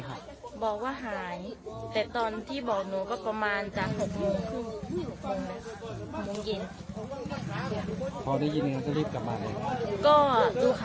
แต่ตอนที่บอกหนูก็ประมาณจ่ะ